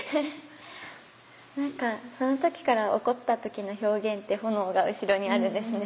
何かその時から怒った時の表現って炎が後ろにあるんですね。